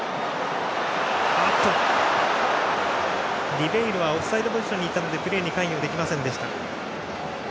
リベイロはオフサイドポジションにいたのでプレーに関与できませんでした。